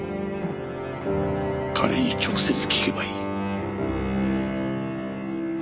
彼に直接聞けばいい。